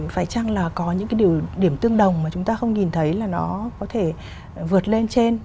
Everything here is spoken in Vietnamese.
phải chăng là có những cái điều điểm tương đồng mà chúng ta không nhìn thấy là nó có thể vượt lên trên